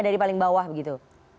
dari paling bawah begitu